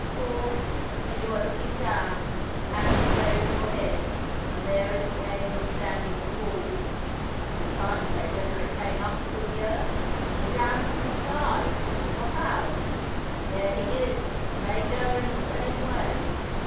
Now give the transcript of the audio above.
For, when you are looking down, and happen to raise your head, and there is the angel standing before you, you can't say whether it came up through the earth, or down from the sky, or how there he is, and may go in the same way.